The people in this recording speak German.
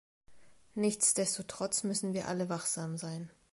Nichtsdestotrotz müssen wir alle wachsam sein.